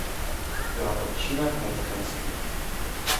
Byla povýšena na děkanství.